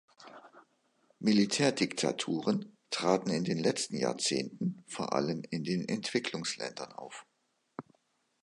Militärdiktaturen traten in den letzten Jahrzehnten vor allem in den Entwicklungsländern auf.